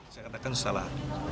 saya katakan salah